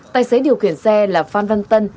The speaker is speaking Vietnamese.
tài xế điều khiển xe là phan văn tân